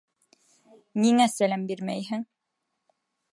Ниңә сәләм бирмәйһең?